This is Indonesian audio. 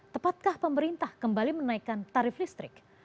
tepatkah pemerintah kembali menaikkan tarif listrik